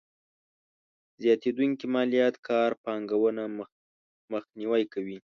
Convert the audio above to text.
زياتېدونکې ماليات کار پانګونه مخنیوی کوي.